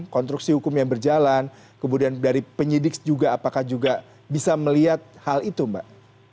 konstruksi hukum yang berjalan kemudian dari penyidik juga apakah juga bisa melihat hal itu mbak